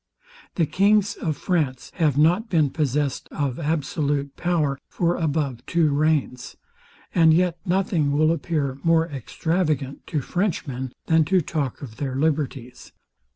The kings of France have not been possessed of absolute power for above two reigns; and yet nothing will appear more extravagant to Frenchmen than to talk of their liberties.